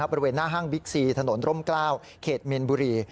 บริเวณหน้าห้างบิ๊กซีถนนร่มกล้าวเขตมีนบุรี